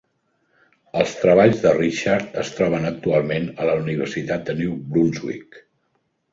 Els treballs de Richard es troben actualment a la Universitat de New Brunswick.